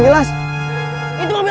ngapain mesti duduk sih